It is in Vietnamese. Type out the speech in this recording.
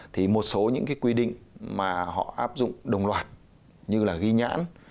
thì một số những cái quy định mà họ áp dụng đồng loạt như là ghi nhãn